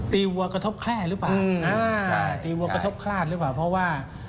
วัวกระทบแคล่หรือเปล่าอ่าใช่ตีวัวกระทบคลาดหรือเปล่าเพราะว่า